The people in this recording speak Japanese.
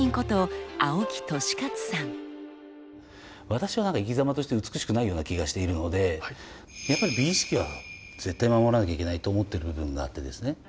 私は生きざまとして美しくないような気がしているのでやっぱり美意識は絶対守らなきゃいけないと思ってる部分があってですね。